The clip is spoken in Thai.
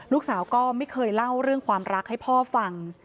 ลูกสาวก็ไม่เคยเล่าเรื่องความรักให้พ่อฟัง